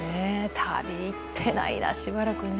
旅、行ってないなしばらくね。